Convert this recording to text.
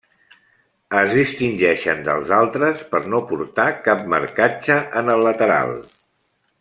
Es distingeixen dels altres per no portar cap marcatge en el lateral.